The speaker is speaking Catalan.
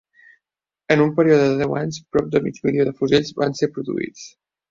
En un període de deu anys, prop de mig milió de fusells van ser produïts.